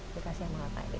dikasih yang makakak